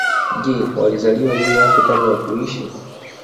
Je walizaliwa ili wafe kabla ya kuishi